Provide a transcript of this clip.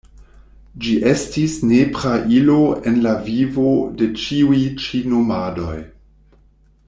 Ĝi estis nepra ilo en la vivo de ĉiuj ĉi nomadoj.